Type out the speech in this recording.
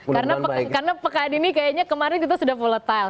karena pekan ini kayaknya kemarin itu sudah volatile